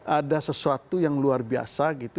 ada sesuatu yang luar biasa gitu